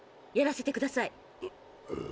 やらせてください。